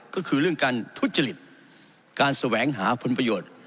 ก็คือเรื่องการทุจริตการแสวงหาผลประโยชน์